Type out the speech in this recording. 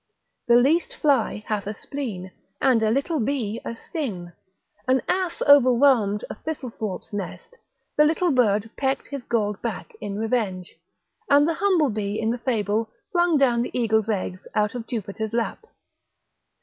The least fly hath a spleen, and a little bee a sting. An ass overwhelmed a thistlewarp's nest, the little bird pecked his galled back in revenge; and the humble bee in the fable flung down the eagle's eggs out of Jupiter's lap.